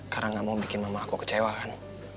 karena gak mau bikin mama aku kecewa kan